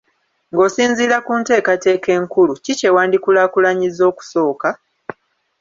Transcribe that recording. Ng'osinziira ku nteekateeka enkulu, ki kye wandikulaakulanyizza okusooka?